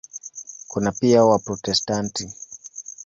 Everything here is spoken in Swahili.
Kuna pia Waprotestanti.